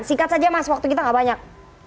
singkat saja mas waktu kita gak banyak